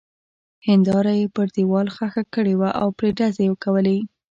هېنداره يې پر دېوال ښخه کړې وه او پرې ډزې کولې.